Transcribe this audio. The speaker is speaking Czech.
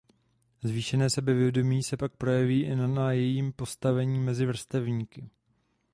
Zvýšené sebevědomí se pak projeví i na jejím postavení mezi vrstevníky.